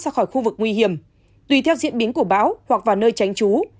ra khỏi khu vực nguy hiểm tùy theo diễn biến của bão hoặc vào nơi tránh trú